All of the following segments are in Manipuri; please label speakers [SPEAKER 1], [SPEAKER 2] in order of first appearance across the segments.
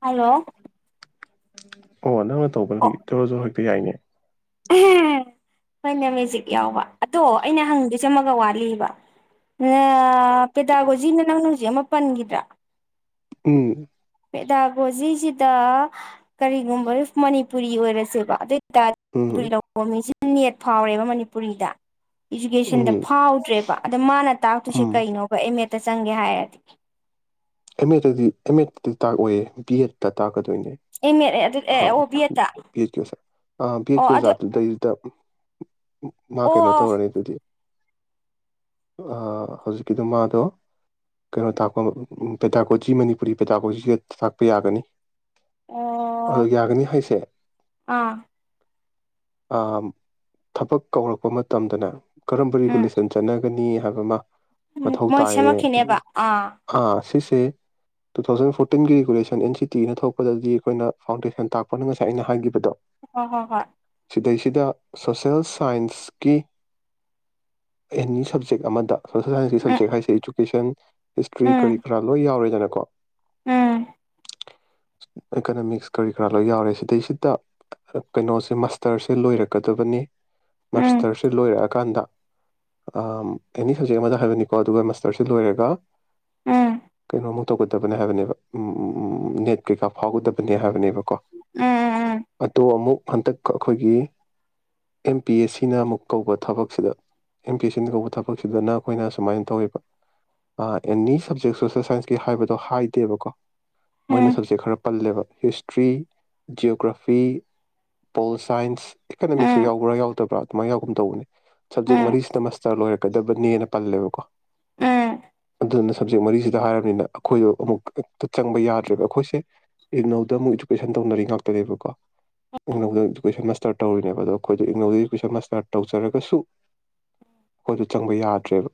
[SPEAKER 1] ꯍꯜꯂꯣ
[SPEAKER 2] ꯑꯣ ꯅꯪꯅ ꯇꯧꯕ
[SPEAKER 1] ꯑꯣ
[SPEAKER 2] ꯇꯧꯔꯁꯨ ꯍꯦꯛꯇ ꯌꯥꯏꯅꯦ
[SPEAKER 1] ꯍꯣꯏꯅꯦ ꯃꯦꯖꯤꯛ ꯌꯥꯎꯕ ꯑꯗꯣ ꯑꯩꯅ ꯍꯪꯗꯣꯏ ꯆꯃꯒ ꯋꯥꯠꯂꯤꯕ ꯑꯥ ꯄꯦꯗꯥꯒꯣꯖꯤꯅ ꯅꯪꯅ ꯍꯧꯖꯤꯛ ꯑꯃ ꯄꯟꯈꯤꯗ꯭ꯔꯥ
[SPEAKER 2] ꯎꯝ
[SPEAKER 1] ꯄꯦꯗꯥꯒꯣꯖꯤꯁꯤꯗ ꯀꯔꯤꯒꯨꯝꯕ ꯃꯅꯤꯄꯨꯔꯤ ꯑꯣꯏꯔꯁꯦꯕ ꯑꯗꯨ
[SPEAKER 2] ꯎꯝ
[SPEAKER 1] [unintelligible] ꯅꯦꯠ ꯐꯥꯎꯔꯦꯕ ꯃꯅꯤꯄꯨꯔꯤꯗ ꯏꯖꯨꯀꯦꯁꯟꯗ
[SPEAKER 2] ꯎꯝ
[SPEAKER 1] ꯐꯥꯎꯗ꯭ꯔꯦ ꯑꯗ ꯃꯥꯅ ꯇꯥꯛꯇꯣꯏꯁꯦ
[SPEAKER 2] ꯎꯝ
[SPEAKER 1] ꯀꯩꯅꯣꯕ ꯑꯦꯝ ꯑꯦꯠꯇ ꯆꯪꯒꯦ ꯍꯥꯏꯔꯗꯤ
[SPEAKER 2] ꯑꯦꯝ ꯑꯦꯗꯗꯤ ꯑꯦꯝ ꯑꯦꯗꯗꯤ ꯇꯥꯛꯏ ꯕꯤ ꯑꯦꯗꯇ ꯇꯥꯛ
[SPEAKER 1] ꯑꯦꯝ ꯑꯦꯗ ꯑꯗꯨ ꯑꯦ ꯑꯣ ꯕꯤ ꯑꯦꯗꯠꯇ
[SPEAKER 2] [unintelligible] ꯑꯥ
[SPEAKER 1] ꯑꯣ
[SPEAKER 2] ꯕꯦꯠꯀꯤ
[SPEAKER 1] ꯑꯗꯨ ꯑꯣ
[SPEAKER 2] ꯑꯣꯖꯥꯗꯨꯗꯩꯗꯨꯗ ꯃꯥ ꯀꯩꯅꯣ
[SPEAKER 1] ꯑꯣ
[SPEAKER 2] ꯇꯧꯔꯅꯤ ꯑꯗꯨꯗꯤ ꯍꯧꯖꯤꯛꯀꯤꯗ ꯃꯥꯗꯣ ꯀꯩꯅꯣ ꯇꯥꯛꯄ ꯄꯦꯇꯥꯀꯣꯆꯤ ꯃꯅꯤꯄꯨꯔꯤ ꯄꯦꯇꯥꯀꯣꯆꯤꯒ ꯇꯥꯛꯄ ꯌꯥꯒꯅꯤ
[SPEAKER 1] ꯑꯣ
[SPEAKER 2] ꯑꯥ ꯌꯥꯒꯅꯤ ꯍꯥꯏꯁꯦ
[SPEAKER 1] ꯑꯥ
[SPEAKER 2] ꯑꯥ ꯊꯕꯛ ꯀꯧꯔꯛꯄ ꯃꯇꯝꯗꯅꯦ ꯀꯔꯝꯕ ꯔꯤꯒꯨꯂꯦꯁꯟ ꯆꯠꯅꯒꯅꯤ ꯍꯥꯏꯕ ꯑꯃ
[SPEAKER 1] ꯎꯝ
[SPEAKER 2] ꯃꯊꯧ
[SPEAKER 1] ꯃꯣꯏ
[SPEAKER 2] ꯇꯥꯏꯌꯦ
[SPEAKER 1] ꯁꯦꯝꯃꯛꯈꯤꯅꯦꯕ ꯑꯥ
[SPEAKER 2] ꯑꯥ ꯁꯤꯁꯦ ꯇꯨ ꯊꯥꯎꯖꯟ ꯐꯣꯔꯇꯤꯟꯒꯤ ꯔꯤꯒꯨꯂꯦꯁꯟ ꯑꯦꯟ ꯁꯤ ꯇꯤꯅ ꯊꯣꯛꯄꯗꯗꯤ ꯑꯩꯈꯣꯏꯅ ꯐꯥꯎꯟꯗꯦꯁꯟ ꯇꯥꯛꯄꯅ ꯉꯁꯥꯏ ꯑꯩꯅ ꯍꯥꯏꯒꯤꯈꯤꯕꯗꯣ
[SPEAKER 1] ꯍꯣ ꯍꯣ ꯍꯣꯏ
[SPEAKER 2] ꯁꯤꯗꯩꯁꯤꯗ ꯁꯣꯁꯦꯜ ꯁꯥꯏꯟꯁꯀꯤ ꯑꯦꯅꯤ ꯁꯕꯖꯦꯛ ꯑꯃꯗ ꯁꯣꯁꯦꯜ ꯁꯥꯏꯟꯁ
[SPEAKER 1] ꯎꯝ
[SPEAKER 2] ꯁꯕꯖꯦꯛ ꯍꯥꯏꯁꯦ ꯑꯦꯖꯨꯀꯦꯁꯟ [inaudible] ꯀ꯭ꯔꯤ
[SPEAKER 1] ꯎꯝ
[SPEAKER 2] ꯀꯔꯤ ꯀ꯭ꯔꯥ ꯂꯣꯏ ꯌꯥꯎꯔꯦꯗꯅꯀꯣ
[SPEAKER 1] ꯎꯝ ꯎꯝ ꯎꯝ ꯎꯝ
[SPEAKER 2] ꯑꯦꯀꯅꯃꯤꯛꯁ ꯀꯔꯤ ꯀꯔꯥ ꯂꯣꯏ ꯌꯥꯎꯔꯦ ꯁꯤꯗꯩꯁꯤꯗ ꯀꯩꯅꯣꯁꯦ ꯃꯥꯁꯇꯔꯁꯦ ꯂꯣꯏꯔꯛꯀꯗꯕꯅꯤ ꯃꯥꯁꯇꯔꯁꯦ ꯂꯣꯏꯔꯛꯑꯀꯥꯟꯗ ꯑꯦꯅꯤ ꯁꯕꯖꯦꯛ ꯑꯃꯗ ꯍꯥꯏꯕꯅꯤꯀꯣ ꯑꯗꯨꯒ ꯃꯥꯁꯇꯔꯁꯦ ꯂꯣꯏꯔꯒ ꯀꯩꯅꯣꯝ ꯇꯧꯒꯗꯕꯅꯦ ꯍꯥꯏꯕꯅꯦꯕ ꯅꯦꯠ ꯀꯩꯀꯥ ꯐꯥꯎꯒꯗꯕꯅꯦ ꯍꯥꯏꯕꯅꯦꯕꯀꯣ ꯑꯗꯨ ꯑꯃꯨꯛ ꯍꯟꯇꯛ ꯑꯩꯈꯣꯏꯒꯤ ꯑꯦꯝ ꯄꯤ ꯑꯦꯁ ꯁꯤꯅ ꯑꯃꯨꯛ ꯀꯧꯕ ꯊꯕꯛꯁꯤꯗ ꯑꯦꯝ ꯄꯤ ꯑꯦꯁ ꯁꯤꯅ ꯀꯧꯕ ꯊꯕꯛꯁꯤꯗꯅ ꯑꯩꯈꯣꯏꯅ ꯁꯨꯃꯥꯏꯅ ꯇꯧꯋꯦꯕ ꯑꯥ ꯑꯦꯅꯤ ꯁꯞꯖꯦꯛ ꯁꯣꯁꯦꯜ ꯁꯥꯏꯟꯁꯀꯤ ꯍꯥꯏꯕꯗꯣ ꯍꯥꯏꯗꯦꯕꯀꯣ
[SPEAKER 1] ꯎꯝ
[SPEAKER 2] ꯃꯣꯏꯅ
[SPEAKER 1] ꯎꯝ
[SPEAKER 2] ꯁꯕꯖꯦꯛ ꯈꯔ ꯄꯜꯂꯦꯕ ꯍꯤꯁꯇ꯭ꯔꯤ ꯖꯤꯑꯣꯒ꯭ꯔꯥꯐꯤ ꯄꯣꯜ ꯁꯥꯏꯟꯁ ꯏꯀꯅꯃꯤꯛꯁꯨ ꯌꯥꯎꯕ꯭ꯔꯥ ꯌꯥꯎꯗꯕ꯭ꯔꯥ ꯑꯗꯨꯃꯥꯏꯅ ꯌꯥꯎꯒꯨꯝ ꯇꯧꯕꯅꯤ ꯁꯞꯖꯦꯛ
[SPEAKER 1] ꯎꯝ
[SPEAKER 2] ꯃꯔꯤꯁꯤꯅ ꯃꯁꯇꯔ ꯂꯣꯏꯔꯦ ꯀꯗꯕꯅꯦꯅ ꯄꯜꯂꯦꯕꯀꯣ
[SPEAKER 1] ꯎꯝ
[SPEAKER 2] ꯑꯗꯨꯗꯨꯅ ꯁꯞꯖꯦꯛ ꯃꯔꯤꯁꯤꯗ ꯍꯥꯏꯔꯝꯅꯤꯅ ꯑꯩꯈꯣꯏꯗꯣ ꯑꯃꯨꯛ ꯍꯦꯛꯇ ꯆꯪꯕ ꯌꯥꯗ꯭ꯔꯦꯕ ꯑꯩꯈꯣꯏꯁꯦ ꯏꯛꯅꯧꯗ ꯑꯃꯨꯛ ꯏꯗꯨꯀꯦꯁꯟ ꯇꯧꯅꯔꯤ ꯉꯥꯛꯇꯅꯦꯕꯀꯣ ꯏꯛꯅꯧꯗ ꯏꯗꯨꯀꯦꯁꯟ ꯃꯥꯁꯇꯔ ꯇꯧꯔꯤꯅꯦꯕ ꯑꯗꯣ ꯑꯩꯈꯣꯏꯗꯣ ꯏꯅꯧꯗ ꯏꯗꯨꯀꯦꯁꯟ ꯃꯥꯁꯇꯔ ꯇꯧꯖꯔꯒꯁꯨ ꯑꯩꯈꯣꯏꯗꯣ ꯆꯪꯕ ꯌꯥꯗ꯭ꯔꯦꯕ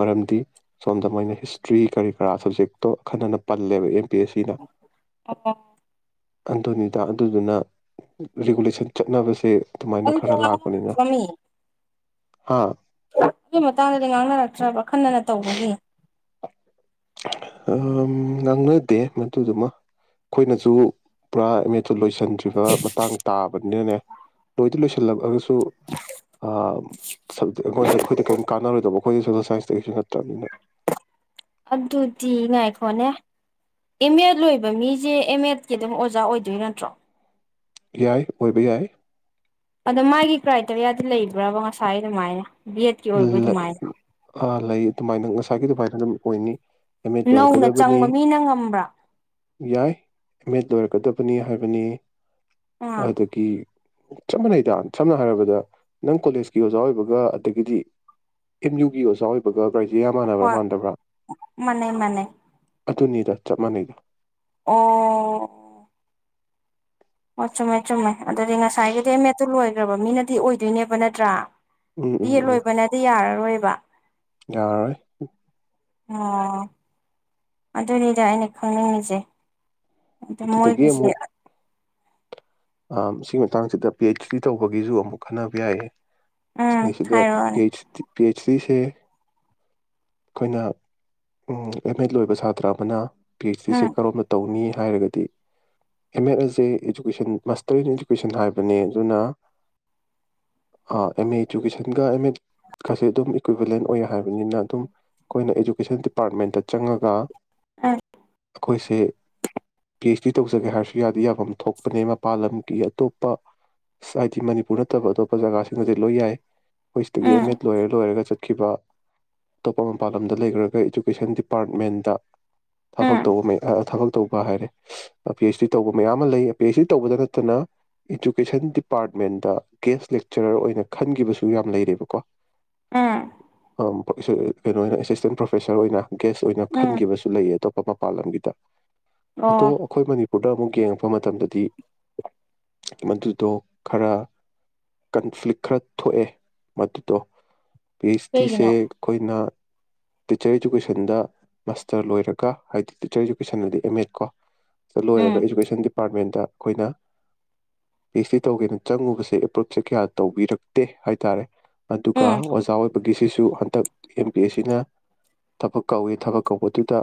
[SPEAKER 2] ꯃꯔꯝꯗꯤ ꯁꯣꯝꯗ ꯃꯣꯏꯅ ꯍꯤꯁꯇ꯭ꯔꯤ ꯀꯔꯤ ꯀꯔꯥ ꯁ꯭ꯕꯖꯦꯛꯇꯣ ꯑꯈꯟꯅꯅ ꯄꯜꯂꯦꯕ ꯑꯦꯝ ꯄꯦꯁꯤꯅ
[SPEAKER 1] ꯑꯣ
[SPEAKER 2] ꯑꯗꯨꯅꯤꯗ ꯑꯗꯨꯗꯨꯅ ꯔꯤꯒꯨꯂꯦꯁꯟ ꯆꯠꯅꯕꯁꯦ ꯑꯗꯨꯃꯥꯏꯅ
[SPEAKER 1] ꯑꯗꯨ ꯔꯃꯤ [unintelligible]
[SPEAKER 2] ꯍꯥꯥ
[SPEAKER 1] ꯑꯗꯨꯏ ꯃꯇꯥꯡꯗꯗꯤ ꯉꯥꯡꯅꯔꯛꯇ꯭ꯔꯕ꯭ꯔꯥ ꯑꯈꯟꯅꯅ ꯇꯧꯕꯒꯤ
[SPEAKER 2] ꯉꯥꯡꯅꯗꯦ ꯃꯗꯨꯗꯨꯃ ꯈꯣꯏꯅꯁꯨ ꯄꯨꯔꯥ ꯑꯦ ꯂꯣꯏꯁꯟꯗꯔꯤꯕ ꯃꯇꯥꯡ ꯇꯕꯅꯤꯅꯅꯦ ꯂꯣꯏꯗꯤ ꯂꯣꯏꯁꯟ ꯁꯤꯜꯂꯛꯑꯒꯁꯨ ꯁꯞꯖꯦꯛ ꯑꯩꯉꯣꯟꯗ ꯑꯩꯈꯣꯏꯗ ꯀꯔꯤꯝ ꯀꯥꯟꯅꯔꯣꯏꯗꯧꯕ ꯑꯩꯈꯣꯏꯗ ꯁꯣꯁꯦꯜ ꯁꯥꯏꯟꯁꯇꯒꯤꯁꯨ ꯅꯠꯇ꯭ꯔꯕꯅꯤꯅ
[SPEAKER 1] ꯑꯗꯨꯗꯤ ꯉꯥꯏꯈꯣꯅꯦ ꯑꯦꯝ ꯑꯦꯗ ꯂꯣꯏꯕ ꯃꯤꯖꯦ ꯑꯦꯝ ꯑꯦꯗꯀꯤ ꯑꯗꯨꯝ ꯑꯣꯖꯥ ꯑꯣꯏꯗꯣꯏ ꯅꯠꯇ꯭ꯔꯣ
[SPEAKER 2] ꯌꯥꯏ ꯑꯣꯏꯕ ꯌꯥꯏ
[SPEAKER 1] ꯑꯗꯣ ꯃꯥꯒꯤ ꯀ꯭ꯔꯥꯏꯇꯔꯤꯌꯥꯗꯤ ꯂꯩꯕ꯭ꯔꯕ ꯉꯁꯥꯏ ꯑꯗꯨꯃꯥꯏꯅ ꯕꯤ ꯑꯦꯗꯀꯤ ꯑꯣꯏꯕ
[SPEAKER 2] ꯂꯩ
[SPEAKER 1] ꯑꯗꯨꯃꯥꯏꯅ
[SPEAKER 2] ꯑꯥ ꯂꯩ ꯑꯗꯨꯃꯥꯏꯅ ꯉꯁꯥꯏꯒꯤ ꯑꯗꯨꯃꯥꯏꯅ ꯑꯗꯨꯝ ꯑꯣꯏꯅꯤ ꯑꯦꯝ ꯑꯦꯗ
[SPEAKER 1] ꯅꯧꯅ
[SPEAKER 2] ꯂꯣꯏꯔꯛꯀꯗꯕꯅꯤ
[SPEAKER 1] ꯆꯪꯕ ꯃꯤꯅ ꯉꯝꯕ꯭ꯔ
[SPEAKER 2] ꯌꯥꯏ ꯑꯦꯝ ꯑꯦꯗ ꯂꯣꯏꯔꯛꯀꯗꯕꯅꯤ ꯍꯥꯏꯕꯅꯤ
[SPEAKER 1] ꯑꯥ
[SPEAKER 2] ꯑꯗꯨꯒꯤ ꯆꯞ ꯃꯥꯟꯅꯩꯗ ꯁꯝꯅ ꯍꯥꯏꯔꯕꯗ ꯅꯪ ꯀꯣꯂꯦꯖꯀꯤ ꯑꯣꯖꯥ ꯑꯣꯏꯕꯒ ꯑꯗꯒꯤꯗꯤ ꯑꯦꯝ ꯌꯨꯒꯤ ꯑꯣꯖꯥ ꯑꯣꯏꯕꯒ [unintelligible] ꯃꯥꯟꯅꯕ꯭ꯔ
[SPEAKER 1] ꯍꯣꯏ
[SPEAKER 2] ꯃꯥꯟꯗꯕ꯭ꯔ
[SPEAKER 1] ꯃꯥꯟꯅꯩ ꯃꯥꯟꯅꯩ
[SPEAKER 2] ꯑꯗꯨꯅꯤꯗ ꯆꯞ ꯃꯥꯟꯅꯩꯗ
[SPEAKER 1] ꯑꯣ ꯑꯣ ꯆꯨꯝꯃꯦ ꯆꯨꯝꯃꯦ ꯑꯗꯨꯗꯤ ꯉꯁꯥꯏꯒꯤꯗꯣ ꯑꯦꯝꯃꯦꯠꯇꯣ ꯂꯣꯏꯔ ꯃꯤꯅꯗꯤ ꯑꯣꯏꯗꯣꯏꯅꯦꯕ ꯅꯠꯇ꯭ꯔ
[SPEAKER 2] ꯎꯝ
[SPEAKER 1] ꯕꯤ ꯌꯦ ꯂꯣꯏꯕꯅꯗꯤ ꯌꯥꯔꯔꯣꯏ [inaudible]
[SPEAKER 2] ꯌꯥꯔꯣꯏ
[SPEAKER 1] ꯑꯣ ꯑꯗꯨꯅꯤꯗ ꯑꯩꯅ ꯈꯪꯅꯤꯡꯉꯤꯁꯦ ꯑꯗꯨ
[SPEAKER 2] ꯑꯗꯨꯗꯒꯤ
[SPEAKER 1] ꯃꯣꯏꯒꯤꯁꯦ
[SPEAKER 2] ꯑꯃꯨꯛ ꯑꯥ ꯁꯤꯒꯤ ꯃꯇꯥꯡꯁꯤꯗ ꯄꯤ ꯑꯩꯆ ꯗꯤ ꯇꯧꯕꯒꯤꯁꯨ ꯑꯃꯨꯛ ꯈꯟꯅꯕ ꯌꯥꯏꯌꯦ
[SPEAKER 1] ꯎꯝ
[SPEAKER 2] [unintelligible]
[SPEAKER 1] ꯍꯥꯏꯔꯛꯑꯣꯅꯦ
[SPEAKER 2] ꯄꯤ ꯑꯩꯆ ꯗꯤꯁꯦ ꯑꯩꯈꯣꯏꯅ ꯑꯦꯝ ꯑꯦꯗ ꯂꯣꯏꯕ ꯁꯥꯇ꯭ꯔ ꯑꯃꯅ ꯄꯤ ꯑꯩꯆ ꯗꯤ ꯁꯤ
[SPEAKER 1] ꯎꯝ
[SPEAKER 2] ꯀꯔꯣꯝꯗ ꯇꯧꯅꯤ ꯍꯥꯏꯔꯒꯗꯤ ꯑꯦꯝ ꯑꯦꯠ ꯑꯁꯦ ꯏꯖꯨꯀꯦꯁꯟ ꯃꯥꯁꯇꯔ ꯏꯟ ꯏꯗꯨꯀꯦꯁꯟ ꯍꯥꯏꯕꯅꯤ ꯑꯗꯨꯅ ꯑꯦꯝ ꯑꯦ ꯏꯗꯨꯀꯦꯁꯟꯒ ꯑꯦꯝ ꯑꯦꯗꯀꯁꯦ ꯑꯗꯨꯝ ꯏꯀ꯭ꯋꯤꯚꯤꯂꯦꯟ ꯑꯣꯏ ꯍꯥꯏꯕꯅꯤꯅ ꯑꯗꯨꯝ ꯑꯩꯈꯣꯏꯅ ꯏꯗꯨꯀꯦꯁꯟ ꯗꯤꯄꯥꯔꯠꯃꯦꯟꯇ ꯆꯪꯉꯒ
[SPEAKER 1] ꯑꯥ
[SPEAKER 2] ꯑꯩꯈꯣꯏꯁꯦ ꯄꯤ ꯑꯩꯆ ꯗꯤ ꯇꯧꯖꯒꯦ ꯍꯥꯏꯔꯁꯨ ꯌꯥꯗꯤ ꯌꯥꯐꯝ ꯊꯣꯛꯄꯅꯦ ꯃꯄꯥꯥꯟ ꯂꯝꯒꯤ ꯑꯇꯣꯞꯄ ꯍꯥꯏꯗꯤ ꯃꯅꯤꯄꯨꯔ ꯅꯠꯇꯕ ꯑꯇꯣꯞꯄ ꯖꯒꯥꯁꯤꯡꯗꯗꯤ ꯂꯣꯏ ꯌꯥꯏ ꯍꯈꯣꯏꯁꯤꯗꯒꯤ ꯑꯦꯝ
[SPEAKER 1] ꯎꯝ
[SPEAKER 2] ꯑꯦꯗ ꯂꯣꯏꯔ ꯂꯣꯏꯔꯒ ꯆꯠ ꯈꯤꯕ ꯑꯇꯣꯞꯄ ꯃꯄꯥꯜ ꯂꯝꯗ ꯂꯩꯈ꯭ꯔꯒ ꯏꯖꯨꯀꯦꯁꯟ ꯗꯤꯄꯥꯔꯠꯃꯦꯟꯗ ꯊꯕꯛ
[SPEAKER 1] ꯎꯝ
[SPEAKER 2] ꯇꯧꯕ ꯃꯦꯙ ꯊꯕꯛ ꯇꯧꯕ ꯍꯥꯏꯔꯦ ꯄꯤ ꯍꯩꯁ ꯗꯤ ꯇꯧꯕ ꯃꯌꯥꯝ ꯑꯃ ꯂꯩ ꯄꯤꯁꯗꯤ ꯇꯧꯕꯗ ꯅꯠꯇꯅ ꯏꯖꯨꯀꯦꯁꯟ ꯗꯤꯄꯥꯔꯠꯃꯦꯟꯗ ꯒꯦꯁ ꯂꯦꯛꯆꯔꯔ ꯑꯣꯏꯅ ꯈꯟꯈꯤꯕꯁꯨ ꯌꯥꯝꯅ ꯂꯩꯔꯦꯕꯀꯣ
[SPEAKER 1] ꯎꯝ
[SPEAKER 2] ꯑꯥ [unintelligible] ꯀꯩꯅꯣ ꯑꯣꯏꯅ ꯑꯦꯁꯤꯁꯇꯦꯟ ꯄ꯭ꯔꯣꯐꯦꯁꯔ ꯑꯣꯏꯅ ꯒꯦꯁ ꯑꯣꯏꯅ
[SPEAKER 1] ꯎꯝ
[SPEAKER 2] ꯈꯟꯈꯤꯕꯁꯨ ꯂꯩꯌꯦ ꯑꯇꯣꯞꯄ ꯃꯄꯥꯜꯂꯝꯒꯤꯗ ꯑꯗꯣ
[SPEAKER 1] ꯑꯣ
[SPEAKER 2] ꯑꯈꯣꯏ ꯃꯅꯤꯄꯨꯔꯗ ꯑꯃꯨꯛ ꯌꯦꯡꯉꯛꯄ ꯃꯇꯝꯗꯗꯤ ꯃꯗꯨꯗꯣ ꯈꯔ ꯀꯟꯐ꯭ꯂꯤꯛ ꯈꯔ ꯊꯣꯛꯑꯦ ꯃꯗꯨꯗꯣ ꯄꯤ ꯑꯩꯆ ꯗꯤꯁꯦ
[SPEAKER 1] ꯀꯩꯒꯤꯅꯣ
[SPEAKER 2] ꯑꯩꯈꯣꯏꯅ ꯇꯤꯆꯔ ꯏꯗꯨꯀꯦꯁꯟꯗ ꯃꯥꯁꯇꯔ ꯂꯣꯏꯔꯒ ꯍꯥꯏꯗꯤ ꯇꯤꯆꯔ ꯏꯗꯨꯀꯦꯁꯟ ꯗꯤ ꯑꯦꯝ ꯑꯦꯗ ꯀꯣ
[SPEAKER 1] ꯎꯝ
[SPEAKER 2] ꯁꯤꯗꯂꯣꯏꯔꯒ ꯏꯖꯨꯀꯦꯁꯟ ꯗꯤ ꯗꯤꯄꯥꯔꯠꯃꯦꯟꯇ ꯑꯈꯣꯏꯅ ꯄꯤ ꯑꯩꯆ ꯗꯤ ꯇꯧꯒꯦꯅ ꯆꯪꯉꯨꯕꯁꯦ ꯑꯦꯄ꯭ꯔꯨꯞꯁꯦ ꯀꯌꯥ ꯇꯧꯕꯤꯔꯛꯇꯦ ꯍꯥꯏꯇꯥꯔꯦ ꯑꯗꯨꯒ
[SPEAKER 1] ꯎꯝ
[SPEAKER 2] ꯑꯣꯖꯥ ꯑꯣꯏꯕ ꯁꯤꯁꯨ ꯍꯟꯗꯛ ꯑꯦꯝ ꯄꯤ ꯑꯦꯁ ꯁꯤꯅ ꯊꯕꯛ ꯀꯧꯏꯤ ꯊꯕꯛ ꯀꯧꯕꯗꯨꯗ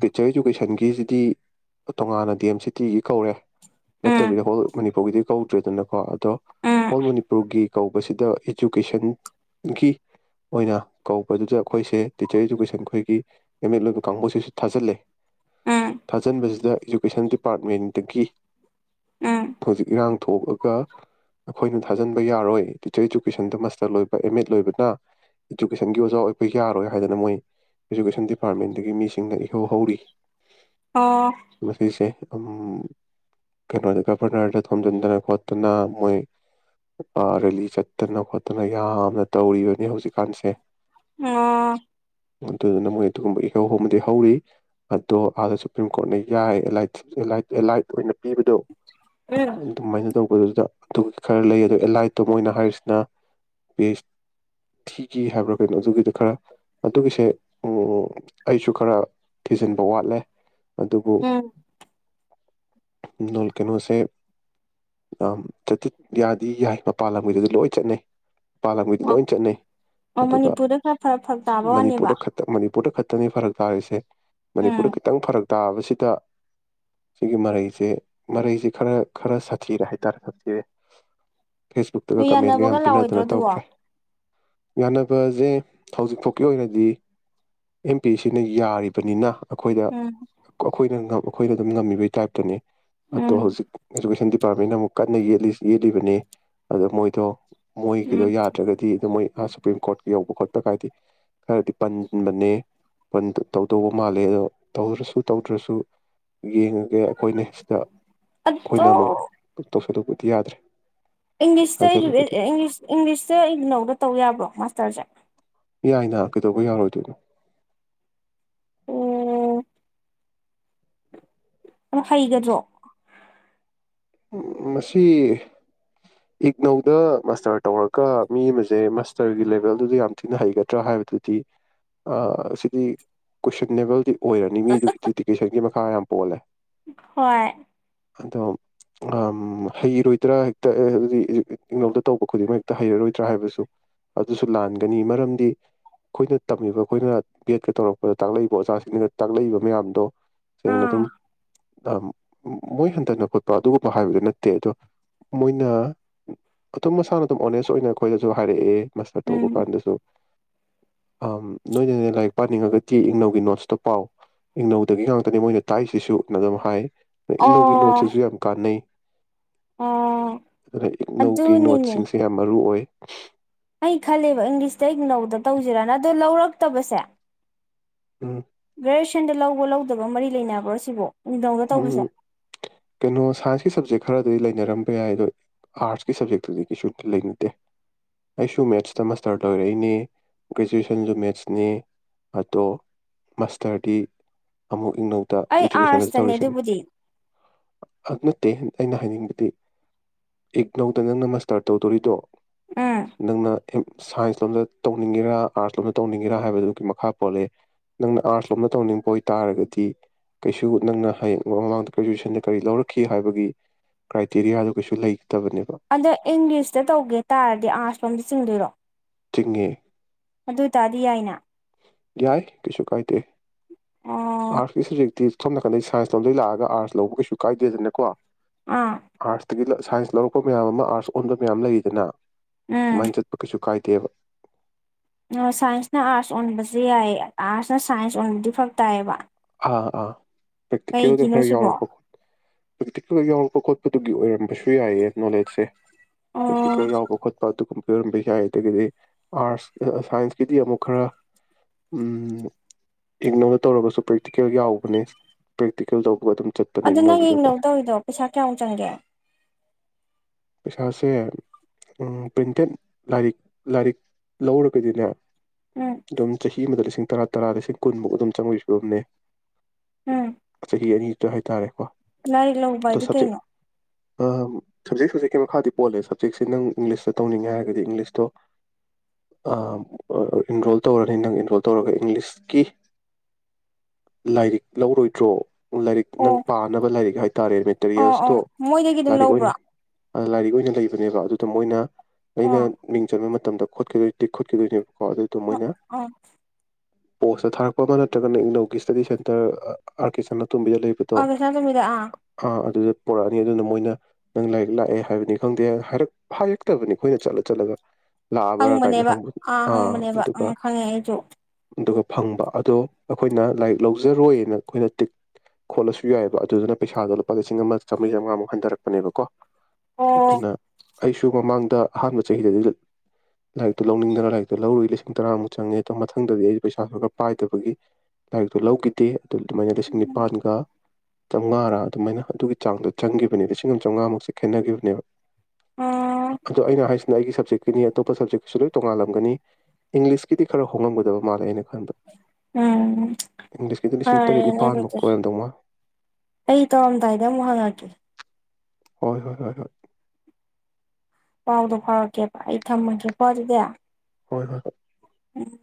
[SPEAKER 2] ꯇꯤꯆꯔ ꯏꯗꯨꯀꯦꯁꯟꯒꯤꯁꯤꯗꯤ ꯇꯣꯉꯥꯟꯅ ꯗꯤ ꯑꯦꯝ ꯁꯤ ꯇꯤꯒꯤ ꯀꯧꯔꯦ
[SPEAKER 1] ꯎꯝ
[SPEAKER 2] ꯅꯠꯇꯕꯤꯗ ꯍꯣꯜ ꯃꯅꯤꯄꯨꯔꯒꯤꯗꯤ ꯀꯧꯗ꯭ꯔꯦꯗꯅꯀꯣ ꯑꯗꯣ
[SPEAKER 1] ꯎꯝ
[SPEAKER 2] ꯍꯣꯜ ꯃꯅꯤꯄꯨꯔꯒꯤ ꯀꯧꯕꯁꯤꯗ ꯏꯖꯨꯀꯦꯁꯟꯒꯤ ꯑꯣꯏꯅ ꯀꯧꯕꯗꯨꯗ ꯑꯈꯣꯏꯁꯦ ꯇꯤꯆꯔ ꯏꯗꯨꯨꯀꯦꯁꯟ ꯈꯣꯏꯒꯤ ꯑꯦꯝ ꯑꯦꯗ ꯂꯣꯏꯕ ꯀꯥꯡꯕꯨꯁꯤꯁꯨ ꯊꯥꯖꯤꯜꯂꯦ
[SPEAKER 1] ꯎꯝ
[SPEAKER 2] ꯊꯥꯖꯤꯟꯕꯁꯤꯗ ꯏꯖꯨꯀꯦꯁꯟ ꯗꯤꯄꯥꯔꯠꯃꯦꯟꯗꯒꯤ
[SPEAKER 1] ꯎꯝ
[SPEAKER 2] ꯍꯧꯖꯤꯛ ꯏꯔꯥꯡ ꯊꯣꯛꯑꯒ ꯑꯈꯣꯏꯅ ꯊꯥꯖꯤꯟꯕ ꯌꯥꯔꯣꯏ ꯇꯤꯆꯔ ꯏꯗꯨꯀꯦꯁꯟꯗ ꯃꯥꯁꯇꯔ ꯂꯣꯏꯕ ꯑꯦꯝ ꯑꯦꯗ ꯂꯣꯏꯕꯅ ꯏꯗꯨꯀꯦꯁꯟꯒꯤ ꯑꯣꯖꯥ ꯑꯣꯏꯕ ꯌꯥꯔꯣꯏ ꯍꯥꯏꯗꯅ ꯃꯣꯏ ꯏꯖꯨꯀꯦꯁꯟ ꯗꯤꯄꯥꯔꯠꯃꯦꯟꯗꯒꯤ ꯃꯤꯁꯤꯡꯅ ꯏꯍꯧ ꯍꯧꯔꯤ
[SPEAKER 1] ꯑꯣ
[SPEAKER 2] ꯃꯁꯤꯁꯦ ꯑꯝꯝ ꯀꯩꯅꯣꯗ ꯒꯕꯔꯅꯔꯗ ꯊꯣꯝꯖꯤꯟꯗꯅ ꯈꯣꯠꯇꯅ ꯃꯣꯏ ꯑ ꯔꯦꯂꯤ ꯆꯠꯇꯅ ꯈꯣꯠꯇꯅ ꯌꯥꯝꯅ ꯇꯧꯔꯤꯕꯅꯦ ꯍꯧꯖꯤꯛꯀꯥꯟꯁꯦ
[SPEAKER 1] ꯑꯣ
[SPEAKER 2] ꯑꯗꯨꯗꯨꯅ ꯃꯣꯏ ꯑꯗꯨꯒꯨꯝꯕ ꯏꯍꯧ ꯑꯃꯗꯤ ꯍꯧꯔꯤ ꯑꯗꯣ ꯑꯥꯗ ꯁꯨꯄ꯭ꯔꯤꯝ ꯀꯣꯔꯠꯅ ꯌꯥꯏꯂ ꯑꯦꯂꯥꯏꯠ ꯑꯦꯂꯥꯏꯠ ꯑꯣꯏꯅꯥ ꯄꯤꯕꯗꯣ
[SPEAKER 1] ꯎꯝ
[SPEAKER 2] ꯑꯗꯨꯃꯥꯏꯅ ꯇꯧ ꯑꯗꯨꯗꯨꯗꯥ ꯑꯗꯨꯒꯤ ꯈꯔ ꯂꯩ ꯑꯗꯨ ꯑꯦꯂꯥꯏꯠ ꯑꯗꯣ ꯃꯣꯏꯅ ꯍꯥꯏꯔꯤꯁꯤꯅ ꯄꯦꯁ ꯊꯤꯒꯤ ꯍꯥꯏꯕ꯭ꯔꯥ ꯀꯩꯅꯣ ꯑꯗꯨꯒꯤꯗ ꯈꯔ ꯑꯗꯨꯒꯤꯁꯦ ꯑꯩꯁꯨ ꯈꯔ ꯊꯤꯖꯤꯟꯕ ꯋꯥꯠꯂꯦ ꯑꯗꯨꯕꯨ
[SPEAKER 1] ꯎꯝ
[SPEAKER 2] ꯅꯨꯜ ꯀꯩꯅꯣꯁꯦ ꯑ ꯆꯇꯤꯛ ꯌꯥꯗꯤ ꯌꯥꯏ ꯃꯄꯥꯟ ꯂꯝꯒꯤꯗꯗꯤ ꯂꯣꯏ ꯆꯠꯅꯩ ꯃꯄꯥꯥꯟ ꯂꯝꯒꯤꯗꯤ
[SPEAKER 1] ꯑꯣ
[SPEAKER 2] ꯂꯣꯏ ꯆꯠꯅꯩ
[SPEAKER 1] ꯑꯣ
[SPEAKER 2] ꯑꯗꯨꯒ
[SPEAKER 1] ꯃꯅꯤꯄꯨꯔꯗ ꯈꯔ ꯐꯔꯛ ꯐꯔꯛ ꯇꯥꯕ ꯋꯥꯅꯦꯕ
[SPEAKER 2] ꯃꯅꯤꯄꯨꯔꯗ ꯃꯅꯤꯄꯨꯔꯗ ꯈꯛꯇꯅꯤ ꯐꯔꯛ ꯇꯥꯔꯤꯁꯦ
[SPEAKER 1] ꯎꯝ
[SPEAKER 2] ꯃꯅꯤꯄꯨꯔꯗ ꯈꯤꯇꯪ ꯐꯔꯛ ꯇꯥꯕꯁꯤꯗ ꯁꯤꯒꯤ ꯃꯔꯩ ꯁꯦ ꯃꯔꯩꯁꯦ ꯈꯔ ꯈꯔ ꯁꯥꯊꯤꯔꯦ ꯍꯥꯏꯇꯥꯔꯦ ꯁꯥꯊꯤꯔꯦ ꯐꯦꯁꯕꯨꯛꯇꯒ
[SPEAKER 1] ꯅꯣꯏ
[SPEAKER 2] ꯀꯃꯦꯟꯒ
[SPEAKER 1] ꯌꯥꯅꯕꯒ
[SPEAKER 2] ꯌꯥꯝ
[SPEAKER 1] ꯂꯥꯛꯑꯣꯏꯗ꯭ꯔꯣ
[SPEAKER 2] ꯄꯤꯅꯗꯅ
[SPEAKER 1] ꯑꯗꯨꯕꯣ
[SPEAKER 2] ꯇꯧꯈ꯭ꯔꯦ ꯌꯥꯅꯕꯁꯦ ꯍꯧꯖꯤꯛ ꯐꯥꯎꯒꯤ ꯑꯣꯏꯅꯗꯤ ꯑꯦꯝ ꯄꯤ ꯁꯤꯅ ꯌꯥꯔꯤꯕꯅꯤꯅ ꯑꯈꯣꯏꯗ
[SPEAKER 1] ꯎꯝ
[SPEAKER 2] ꯑꯈꯣꯏꯅ ꯉꯝ ꯃꯈꯣꯏꯅ ꯑꯗꯨꯝ ꯉꯝꯃꯤꯕꯩ ꯇꯥꯏꯞꯇꯅꯤ ꯑꯗꯣ
[SPEAKER 1] ꯎꯝ
[SPEAKER 2] ꯍꯧꯖꯤꯛ ꯏꯗꯨꯨꯀꯦꯁꯟ ꯗꯤꯄꯥꯔꯃꯦꯟꯅ ꯑꯃꯨꯛ ꯀꯟꯅ ꯌꯦꯠꯂꯤ ꯌꯦꯠꯂꯤꯕꯅꯦ ꯑꯗ ꯃꯣꯏꯗꯣ ꯃꯣꯏꯒꯤꯗꯣ
[SPEAKER 1] ꯎꯝ
[SPEAKER 2] ꯌꯥꯗ꯭ꯔꯒꯗꯤ ꯑꯗꯣ ꯑꯥ ꯁꯨꯄ꯭ꯔꯤꯝ ꯀꯣꯔꯠ ꯌꯧꯕ ꯈꯣꯠꯄ ꯀꯥꯏꯗꯤ ꯈꯔꯗꯤ ꯄꯟꯕꯅꯦ ꯇꯧꯗꯧꯕ ꯃꯥꯜꯂꯦ ꯑꯗꯣ ꯇꯧꯗ꯭ꯔꯁꯨ ꯇꯧꯗ꯭ꯔꯁꯨ ꯌꯦꯡꯉꯒꯦ ꯑꯈꯣꯏꯅ ꯁꯤꯗ
[SPEAKER 1] ꯑꯗꯣ
[SPEAKER 2] ꯑꯈꯣꯏꯅ ꯑꯃꯨꯛ ꯇꯧꯁꯟꯂꯨꯕ ꯇꯤ ꯌꯥꯗ꯭ꯔꯦ
[SPEAKER 1] ꯏꯪꯂꯤꯁꯇ ꯏꯖꯨ
[SPEAKER 2] ꯍꯥꯏꯖꯜꯂꯨꯕꯗꯤ
[SPEAKER 1] ꯏꯪꯂꯤꯁ ꯏꯪꯂꯤꯁꯇ ꯏꯒꯅꯧꯗ ꯇꯧꯕ ꯌꯥꯕ꯭ꯔꯣ ꯃꯥꯁꯇꯔꯖꯦ
[SPEAKER 2] ꯌꯥꯏꯅ ꯀꯩꯗꯧꯕꯩ ꯌꯥꯔꯣꯏꯗꯣꯏꯗꯣ
[SPEAKER 1] ꯑꯣ ꯑꯗꯣ ꯍꯩꯒꯗ꯭ꯔꯣ
[SPEAKER 2] ꯃꯁꯤ ꯏꯛꯅꯧꯗ ꯃꯥꯁꯇꯔ ꯇꯧꯔꯒ ꯃꯤ ꯑꯃꯁꯦ ꯃꯥꯁꯇꯔꯒꯤ ꯂꯦꯚꯦꯜꯗꯨꯗ ꯌꯥꯝ ꯊꯤꯅ ꯍꯩꯒꯗ꯭ꯔꯥ ꯍꯥꯏꯕꯗꯨꯗꯤ ꯑ ꯁꯤꯗꯤ ꯀꯣꯏꯁꯟꯅꯦꯕꯜꯗꯤ ꯑꯣꯏꯔꯅꯤ ꯃꯤꯗꯨꯒꯤ ꯗꯦꯗꯤꯀꯦꯁꯟꯒꯤ ꯈꯥ ꯌꯥꯝ ꯄꯣꯜꯂꯦ
[SPEAKER 1] ꯍꯣꯏ
[SPEAKER 2] ꯑꯗꯣ ꯎꯝ ꯍꯩꯔꯣꯏꯗ꯭ꯔꯥ ꯍꯦꯛꯇ ꯑ ꯑꯗꯨꯗꯤ ꯏ ꯏꯛꯅꯧꯗ ꯇꯧꯕ ꯈꯨꯗꯤꯡꯃꯛ ꯍꯦꯛꯇ ꯍꯩꯔꯔꯣꯏꯗ꯭ꯔꯥ ꯍꯥꯏꯕꯁꯨ ꯑꯗꯨꯁꯨ ꯂꯥꯟꯒꯅꯤ ꯃꯔꯝꯗꯤ ꯑꯩꯈꯣꯏꯅ ꯇꯝꯃꯤꯕ ꯑꯩꯈꯣꯏꯅ ꯕꯦꯠꯀ ꯇꯧꯔꯛꯄꯗ ꯇꯥꯛꯂꯛꯏꯕ ꯑꯣꯖꯥꯁꯤꯡꯁꯤꯅ ꯇꯥꯛꯂꯛꯏꯕ ꯃꯌꯥꯝꯗꯣ ꯁꯦꯡꯅ ꯑꯗꯨꯝ
[SPEAKER 1] ꯑꯥ
[SPEAKER 2] ꯇꯝ ꯃꯣꯏ ꯍꯟꯊꯅ ꯈꯣꯠꯄ ꯑꯗꯨꯒꯨ ꯍꯥꯏꯔꯨꯒꯤꯅꯨ ꯅꯠꯇꯦ ꯑꯗꯣ ꯃꯣꯏꯅ ꯑꯗꯨꯝ ꯃꯁꯥꯅ ꯑꯗꯨꯝ ꯑꯣꯅꯦꯁ ꯑꯣꯏꯅ ꯑꯩꯈꯣꯏꯗꯁꯨ ꯍꯥꯏꯔꯛꯑꯦ ꯃꯥꯁꯇꯔ ꯇꯧꯕ
[SPEAKER 1] ꯎꯝ
[SPEAKER 2] ꯀꯥꯟꯗꯁꯨ ꯑꯝ ꯅꯣꯏꯅꯅꯦ ꯂꯥꯏꯔꯤꯛ ꯄꯥꯅꯤꯡꯉꯒꯗꯤ ꯏꯛꯅꯩꯒꯤ ꯅꯣꯠꯁꯇꯣ ꯄꯥꯎ ꯏꯛꯅꯧꯗꯒꯤ ꯉꯥꯛꯇꯅꯦ ꯃꯣꯏꯅ ꯇꯥꯛꯏꯁꯤꯁꯨ ꯑꯗꯨꯝ ꯍꯥꯏ ꯏꯛꯅꯧꯒꯤ
[SPEAKER 1] ꯑꯣ
[SPEAKER 2] ꯅꯣꯠꯁꯁꯤꯁꯨ ꯌꯥꯝ ꯅꯩ
[SPEAKER 1] ꯑꯣ
[SPEAKER 2] ꯑꯗꯨꯅ ꯏꯛꯅꯧꯒꯤ
[SPEAKER 1] ꯑꯗꯨꯅꯤꯅꯦ
[SPEAKER 2] ꯅꯣꯠꯁꯤꯡꯁꯦ ꯌꯥꯝ ꯃꯔꯨ ꯑꯣꯏ
[SPEAKER 1] ꯑꯩ ꯈꯜꯂꯦꯕ ꯏꯪꯂꯤꯁꯇ ꯏꯛꯅꯧꯗ ꯇꯧꯁꯤꯔꯥꯅ ꯑꯗꯣ ꯂꯧꯔꯛꯇꯕꯁꯦ
[SPEAKER 2] ꯑꯝ
[SPEAKER 1] ꯁꯟꯗ ꯂꯧꯕ ꯂꯧꯗꯕ ꯃꯔꯤ ꯂꯩꯅꯕ꯭ꯔꯣ ꯁꯤꯕꯨ ꯏꯛꯅꯧꯗ ꯇꯧꯕꯁꯦ
[SPEAKER 2] ꯎꯝ ꯀꯩꯅꯣ ꯁꯥꯏꯟꯁꯀꯤ ꯁꯞꯖꯦꯛ ꯈꯔꯗꯗꯤ ꯂꯩꯅꯔꯝꯕ ꯌꯥꯏ ꯑꯗꯣ ꯑꯥꯔꯠꯁꯀꯤ ꯁꯞꯖꯦꯛꯇꯗꯤ ꯀꯩꯁꯨ ꯂꯩꯅꯗꯦ ꯑꯩꯁꯨ ꯃꯦꯠꯁꯇ ꯃꯥꯁꯇꯔ ꯇꯣꯏꯔꯛꯏꯅꯦ ꯒ꯭ꯔꯦꯖꯨꯋꯦꯁꯟꯁꯨ ꯃꯦꯠꯁꯅꯤ ꯑꯗꯣ ꯃꯥꯁꯇꯔꯗꯤ ꯑꯃꯨꯛ ꯏꯛꯅꯧꯗ
[SPEAKER 1] ꯑꯩ
[SPEAKER 2] ꯏꯖꯨꯀꯦꯁꯟꯗꯁꯨ
[SPEAKER 1] ꯑꯥꯔꯠꯁꯇꯅꯦ
[SPEAKER 2] ꯇꯧꯔꯤꯁꯤꯅꯤ
[SPEAKER 1] ꯑꯗꯨꯕꯨꯗꯤ
[SPEAKER 2] ꯑꯗꯨ ꯅꯠꯇꯦ ꯑꯩꯅ ꯍꯥꯏꯅꯤꯡꯕꯗꯤ ꯏꯛꯅꯧꯗ ꯅꯪꯅ ꯃꯥꯁꯇꯔ ꯇꯧꯗꯣꯔꯤꯗꯣ
[SPEAKER 1] ꯎꯝ
[SPEAKER 2] ꯅꯪꯅ ꯍꯦꯛ ꯁꯥꯏꯟꯁ ꯂꯣꯝꯗ ꯇꯧꯅꯤꯡꯒꯦꯔꯥ ꯑꯥꯔꯠꯁ ꯂꯣꯝꯗ ꯇꯧꯅꯤꯡꯒꯦꯔꯥ ꯍꯥꯏꯕꯗꯨꯒꯤ ꯃꯈꯥ ꯄꯣꯜꯂꯦ ꯅꯪꯅ ꯑꯥꯔꯠꯁ ꯂꯣꯝꯗ ꯇꯧꯅꯤꯡꯕ ꯑꯣꯏꯇꯥꯥꯔꯒꯗꯤ ꯀꯩꯁꯨ ꯅꯪꯅ ꯍꯌꯦꯡ ꯃꯃꯥꯡꯗ ꯒ꯭ꯔꯦꯖꯨꯁꯟꯗ ꯀꯔꯤ ꯂꯧꯔꯛꯈꯤ ꯍꯥꯏꯕꯒꯤ ꯀ꯭ꯔꯥꯏꯇꯦꯔꯤꯌꯥꯗꯨ ꯀꯩꯁꯨ ꯂꯩ
[SPEAKER 1] ꯑꯗꯣ ꯏꯪꯂꯤꯁꯇ ꯇꯧꯒꯦ ꯇꯥꯔꯗꯤ ꯑꯥꯔꯠꯁ ꯂꯣꯝꯗ ꯆꯤꯡꯗꯣꯏꯔꯣ
[SPEAKER 2] ꯆꯤꯡꯉꯦ
[SPEAKER 1] ꯑꯗꯨꯇꯥꯗꯤ ꯌꯥꯏꯅꯥ
[SPEAKER 2] ꯌꯥꯏ ꯀꯩꯁꯨ ꯀꯥꯏꯗꯦ
[SPEAKER 1] ꯑꯣ
[SPEAKER 2] ꯑꯥꯔꯠꯁꯀꯤ ꯁꯞꯖꯦꯛꯇꯤ ꯁꯣꯝ ꯅꯥꯀꯟꯗꯩ ꯁꯥꯏꯟꯁ ꯂꯣꯝꯗꯩ ꯂꯥꯛꯑꯒ ꯑꯥꯔꯠꯁ ꯂꯧꯕ ꯀꯩꯁꯨ ꯀꯥꯏꯗꯦꯗꯅꯀꯣ
[SPEAKER 1] ꯑꯥ
[SPEAKER 2] ꯑꯥꯔꯠꯁꯇꯒꯤ ꯂ ꯁꯥꯏꯟꯁ ꯂꯧꯔꯛꯄ ꯃꯌꯥꯝ ꯑꯃ ꯑꯥꯔꯠꯁ ꯑꯣꯟꯕ ꯐꯅ꯭ꯌꯥꯝ ꯂꯩꯔꯤꯗꯅ
[SPEAKER 1] ꯎꯝ
[SPEAKER 2] ꯁꯨꯃꯥꯏꯅ ꯆꯠꯄꯥ ꯀꯩꯁꯨ ꯗꯦꯕ
[SPEAKER 1] ꯁꯥꯏꯟꯁꯅ ꯑꯥꯔꯠꯁ ꯑꯣꯟꯕꯁꯦ ꯌꯥꯏꯌꯦ ꯑꯥꯔꯠꯁꯅ ꯁꯥꯏꯟꯁ ꯑꯣꯟꯕꯗꯤ ꯐꯔꯛ ꯇꯥꯏꯌꯦꯕ
[SPEAKER 2] ꯑꯥ ꯑꯥ ꯄ꯭ꯔꯦꯛꯇꯤꯀꯦꯜꯒ
[SPEAKER 1] ꯀꯩꯒꯤꯅꯣ
[SPEAKER 2] ꯈꯔ
[SPEAKER 1] ꯁꯤꯕꯣ
[SPEAKER 2] ꯌꯥꯎꯔꯛꯄ ꯈꯣꯠ ꯄ꯭ꯔꯦꯛꯇꯤꯀꯦꯜꯒ ꯌꯥꯎꯔꯛꯄ ꯈꯣꯠꯄ ꯑꯗꯨꯒꯤ ꯑꯣꯏꯔꯝꯕꯁꯨ ꯗꯨ ꯌꯥꯏꯌꯦ ꯅꯣꯂꯦꯖꯁꯦ
[SPEAKER 1] ꯑꯣ
[SPEAKER 2] ꯄ꯭ꯔꯦꯛꯇꯤꯀꯦꯜ ꯌꯥꯎꯕ ꯈꯣꯠꯄ ꯑꯗꯨꯒꯨꯝꯕ ꯑꯣꯏꯔꯝꯕ ꯌꯥꯏ ꯑꯗꯒꯤꯗꯤ ꯑꯥꯔꯠꯁ ꯁꯥꯏꯟꯁꯀꯤꯗꯤ ꯑꯃꯨꯛ ꯈꯔ ꯎꯝ ꯏꯛꯅꯩꯗ ꯇꯧꯔꯒꯁꯨ ꯄ꯭ꯔꯦꯛꯇꯤ ꯀꯦꯜ ꯌꯥꯎꯕꯅꯦ ꯄ꯭ꯔꯦꯛꯇꯤꯀꯦꯜ ꯇꯧꯕ ꯑꯗꯨꯝ ꯆꯠꯄꯅꯦ
[SPEAKER 1] ꯑꯗꯨ ꯅꯪ
[SPEAKER 2] ꯏꯛꯅꯧꯒꯤꯗꯀꯣ
[SPEAKER 1] ꯏꯛꯅꯧ ꯇꯧꯔꯤꯗꯣ ꯄꯩꯁꯥ ꯀꯌꯥꯃꯨꯛ ꯆꯪꯒꯦ
[SPEAKER 2] ꯄꯩꯁꯥꯁꯦ ꯎꯝ ꯄ꯭ꯔꯤꯟꯇꯦꯠ ꯂꯥꯏꯔꯤꯛ ꯂꯥꯏꯔꯤꯛ ꯂꯧꯔꯒꯗꯤꯅꯦ
[SPEAKER 1] ꯎꯝ
[SPEAKER 2] ꯗꯨꯝ ꯆꯍꯤ ꯑꯃꯗ ꯂꯤꯁꯤꯡ ꯇꯔꯥ ꯇꯔꯥ ꯂꯤꯁꯤꯡ ꯀꯨꯟꯃꯨꯛ ꯑꯗꯨꯝ ꯆꯪꯕꯒꯤ ꯐꯤꯕꯝꯅꯤ
[SPEAKER 1] ꯎꯝ
[SPEAKER 2] ꯆꯍꯤ ꯑꯅꯤꯇ ꯍꯥꯏ ꯇꯥꯔꯦꯀꯣ
[SPEAKER 1] ꯂꯥꯏꯔꯤꯛ ꯂꯧꯕ ꯍꯥꯏꯗꯤ ꯀꯩꯅꯣ
[SPEAKER 2] ꯑ ꯁꯞꯖꯦꯛ ꯁꯞꯖꯦꯛ ꯃꯈꯥꯗꯤ ꯄꯣꯂꯦ ꯁꯕꯖꯦꯛꯁꯦ ꯅꯪ ꯏꯪꯂꯤꯁꯇ ꯇꯧꯅꯤꯡꯉꯦ ꯍꯥꯏꯔꯒꯗꯤ ꯏꯪꯂꯤꯁꯇꯣ ꯑ ꯏꯟꯔꯣꯜ ꯇꯧꯔꯅꯤ ꯅꯪ ꯏꯟꯔꯣꯜ ꯇꯧꯔꯒ ꯏꯪꯂꯤꯁꯀꯤ ꯂꯥꯏꯔꯤꯛ ꯂꯧꯔꯣꯏꯗ꯭ꯔꯣ ꯂꯥꯏꯔꯤꯛ
[SPEAKER 1] ꯑꯣ
[SPEAKER 2] ꯅꯪ ꯄꯥꯅꯕ ꯂꯥꯏꯔꯤꯛ ꯍꯥꯏ
[SPEAKER 1] ꯑꯣ ꯑꯣ ꯃꯣꯏꯗꯒꯤ ꯑꯗꯨꯝ ꯂꯧꯕ꯭ꯔꯣ
[SPEAKER 2] ꯑꯣꯏꯅ ꯂꯥꯏꯔꯤꯛ ꯑꯣꯏꯅ ꯂꯩꯕꯅꯦꯕ ꯑꯗꯨꯗ ꯃꯣꯏꯅ ꯑꯩꯅ
[SPEAKER 1] ꯑꯣ
[SPEAKER 2] ꯃꯤꯡ ꯆꯟꯕ ꯇꯝꯗ ꯈꯣꯠꯈꯤꯗꯣꯏꯅꯦ ꯇꯤꯛ ꯈꯣꯠꯈꯤꯗꯣꯏꯅꯦ ꯀꯣ ꯑꯗꯨꯗꯣ ꯃꯣꯏꯅ
[SPEAKER 1] ꯑꯣ
[SPEAKER 2] ꯄꯣꯁꯇ ꯊꯥꯔꯛꯄ ꯑꯃ ꯅꯠꯇ꯭ꯔꯒꯅ ꯏꯛꯅꯧꯒꯤ ꯏꯁꯇꯗꯤ ꯁꯦꯟꯇꯔ ꯑꯥꯔ ꯀꯦ ꯁꯅꯥ ꯇꯣꯕꯤꯗ ꯂꯩꯕꯗꯣ
[SPEAKER 1] ꯑꯥ ꯀꯩꯁꯥ ꯇꯣꯝꯕꯤꯗ ꯑꯥ
[SPEAKER 2] ꯑꯥ ꯑꯗꯨꯗ ꯄꯨꯔꯛꯑꯅꯤ ꯑꯗꯨꯅ ꯃꯣꯏꯅ ꯅꯪ ꯂꯥꯏꯔꯤꯛ ꯂꯥꯛꯑꯦ ꯍꯥꯏꯕꯅꯤ ꯈꯪꯗꯦ ꯍꯥꯏꯔꯛ ꯍꯥꯏꯔꯛꯇꯕꯅꯤ ꯑꯩꯈꯣꯏꯅ ꯆꯠꯂ ꯆꯠꯂꯒ ꯂꯥꯛꯑꯕ꯭ꯔꯥ ꯀꯥꯏꯅ
[SPEAKER 1] ꯍꯪꯕꯅꯦꯕ
[SPEAKER 2] ꯍꯪꯕ
[SPEAKER 1] ꯑꯥ ꯍꯪꯕꯅꯦꯕ
[SPEAKER 2] ꯑꯗꯨꯒ
[SPEAKER 1] ꯎꯪ ꯈꯪꯉꯦ ꯑꯩꯁꯨ
[SPEAKER 2] ꯑꯗꯨꯒ ꯐꯪꯕ ꯑꯗꯣ ꯑꯩꯈꯣꯏꯅ ꯂꯥꯏꯔꯤꯛ ꯂꯧꯖꯔꯣꯏꯅ ꯑꯩꯈꯣꯏꯅ ꯇꯤꯛ ꯈꯣꯠꯂꯁꯨ ꯌꯥꯏꯑꯦꯕ ꯑꯗꯨꯗꯨꯅ ꯄꯩꯁꯥꯗꯣ ꯂꯨꯄꯥ ꯂꯤꯁꯤꯡ ꯑꯃ ꯆꯥꯝꯃꯔꯤ ꯆꯥꯝꯃꯉꯥꯃꯨꯛ ꯍꯟꯊꯔꯛꯄꯅꯦꯕꯀꯣ
[SPEAKER 1] ꯑꯣ
[SPEAKER 2] ꯑꯗꯨꯅ ꯑꯩꯁꯨ ꯃꯃꯥꯡꯗ ꯑꯍꯥꯟꯕ ꯆꯍꯤꯗꯗꯤ ꯂꯥꯏꯔꯤꯛꯇꯨ ꯂꯧꯅꯤꯡꯗꯅ ꯂꯥꯏꯔꯤꯛꯇꯨ ꯂꯧꯔꯨꯏ ꯂꯤꯁꯤꯡ ꯇꯔꯥꯃꯨꯛ ꯆꯪꯉꯦ ꯑꯗꯣ ꯃꯊꯪꯗꯗꯤ ꯑꯩ ꯄꯩꯁꯥꯁꯨ ꯈꯔ ꯄꯥꯏꯗꯕꯒꯤ ꯂꯥꯏꯔꯤꯛꯇꯨ ꯂꯧꯈꯤꯗꯦ ꯑꯗꯨ ꯑꯗꯨꯃꯥꯏꯅ ꯂꯤꯁꯤꯡ ꯅꯤꯄꯥꯥꯟꯒ ꯆꯥꯝꯃꯉꯥꯔꯥ ꯑꯗꯨꯃꯥꯏꯅ ꯑꯗꯨꯒꯤ ꯆꯥꯡꯗꯣ ꯆꯪꯒꯤꯈꯤꯕꯅꯤ ꯂꯤꯁꯤꯡ ꯑꯃ ꯆꯥꯝꯉꯥꯃꯨꯛ ꯈꯦꯠꯅꯒꯤꯈꯤꯕꯅꯦꯕ
[SPEAKER 1] ꯎꯝ
[SPEAKER 2] ꯑꯗꯣ ꯑꯩꯅ ꯍꯥꯏꯁꯦ ꯑꯩꯒꯤ ꯁꯞꯖꯦꯛꯀꯤꯅꯤ ꯑꯇꯣꯞꯄ ꯁꯞꯖꯦꯛꯀꯤꯁꯨ ꯂꯣꯏ ꯇꯣꯉꯥꯜꯂꯝꯒꯅꯤ ꯏꯪꯂꯤꯁꯀꯤꯗꯤ ꯈꯔ ꯍꯣꯡꯉꯝꯒꯗꯕ ꯃꯥꯜꯂꯦ ꯑꯩꯅ ꯈꯟꯕ
[SPEAKER 1] ꯎꯝ
[SPEAKER 2] ꯏꯪꯂꯤꯁꯀꯤꯗꯤ ꯂꯤꯁꯤꯡ
[SPEAKER 1] ꯍꯥꯏ
[SPEAKER 2] ꯇꯔꯦꯠ ꯅꯤꯄꯥꯟꯃꯨꯛ
[SPEAKER 1] ꯅꯣꯏꯒꯔꯨꯞꯇꯨ
[SPEAKER 2] ꯑꯣꯏꯔꯝꯗꯧ ꯃꯥꯜꯂꯦ
[SPEAKER 1] ꯑꯩ ꯇꯧꯔꯝ ꯗꯥꯏꯗ ꯑꯃꯨꯛ ꯍꯪꯉꯛꯀꯦ
[SPEAKER 2] ꯍꯣꯏ ꯍꯣꯏ ꯍꯣꯏ ꯍꯣꯏ
[SPEAKER 1] ꯄꯥꯎꯗꯣ ꯐꯥꯎꯔꯛꯀꯦꯕ ꯑꯩ ꯊꯝꯃꯒꯦꯀꯣ ꯑꯗꯨꯗꯤ
[SPEAKER 2] ꯍꯣꯏ ꯍꯣꯏ ꯍꯣꯏ
[SPEAKER 1] ꯎꯝ